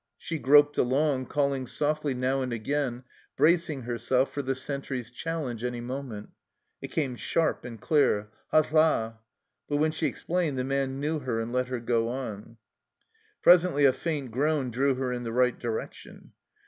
She groped along, calling softly now and again, bracing herself for the sentry's challenge any moment. It came sharp and clear, " Halte la !" but when she ex plained the man knew her and let her go on. Pres ently a faint groan drew her in the right direction.